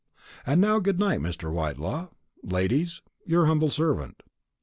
And now good night, Mr. Whitelaw. Ladies, your humble servant."